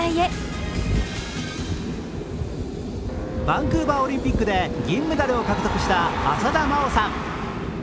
バンクーバーオリンピックで銀メダルを獲得した浅田真央さん。